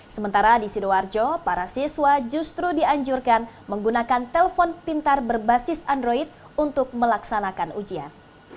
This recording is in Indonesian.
sementara di sidoarjo para siswa justru dianjurkan menggunakan telpon pintar berbasis android untuk melaksanakan ujian